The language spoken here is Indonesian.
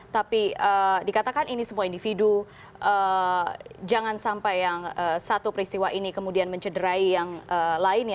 tapi dikatakan ini semua individu jangan sampai yang satu peristiwa ini kemudian mencederai yang lainnya